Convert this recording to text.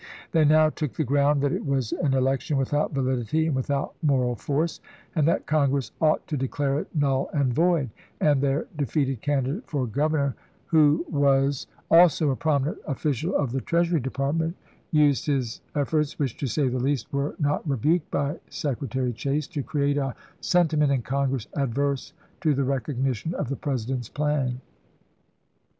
They now took the ground that it was an election without validity and without moral force, and that Congress ought to declare it null and void ; and their defeated candidate for governor, who was LOUISIANA FEEE 435 also a prominent official of the Treasury Depart ment, used his efforts, which, to say the least, were not rebuked by Secretary Chase, to create a senti ment in Congress adverse to the recognition of the President's plan.